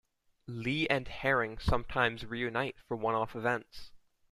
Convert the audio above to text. Lee and Herring sometimes reunite for one-off events.